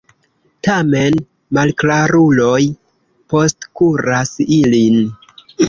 Tamen, malklaruloj postkuras ilin.